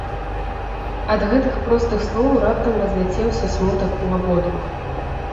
Ад гэтых простых слоў раптам разляцеўся смутак у абодвух.